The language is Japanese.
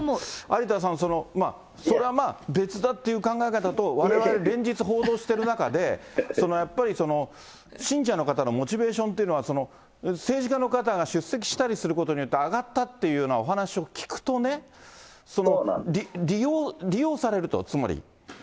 有田さん、それはまあ別だっていう考え方と、われわれ、連日報道してる中で、やっぱり信者の方のモチベーションというのは、政治家の方が出席したりすることによって上がったっていうようなお話しを聞くとね、利用されると、つまり。